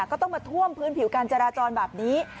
ก็ต้องมาท่วมพื้นผิวการจราจรแบบนี้